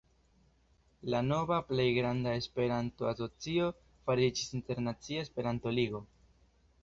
La nova plej granda Esperanto-asocio fariĝis Internacia Esperanto-Ligo.